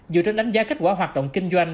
dựa trên đánh giá kết quả hoạt động kinh doanh